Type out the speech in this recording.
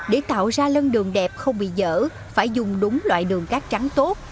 để tạo ra lân đường đẹp không bị dở phải dùng đúng loại đường cát trắng tốt